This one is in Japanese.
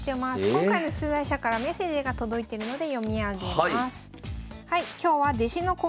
今回の出題者からメッセージが届いてるので読み上げます。